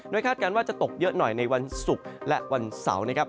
คาดการณ์ว่าจะตกเยอะหน่อยในวันศุกร์และวันเสาร์นะครับ